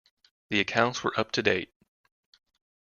The accounts were up to date.